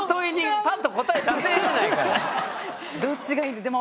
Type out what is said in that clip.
どっちがいいでも。